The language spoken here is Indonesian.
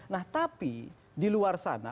nah tapi di luar sana